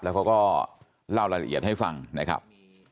แล้วเขาก็เล่ารายละเอียดให้ฟังนะครับ